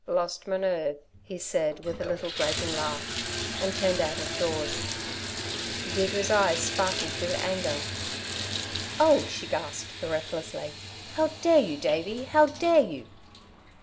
"Lost my nerve," he said, with a little grating laugh, and turned out of doors. Deirdre's eyes sparkled with anger. "Oh," she gasped, breathlessly, "how dare you, Davey? How dare you?"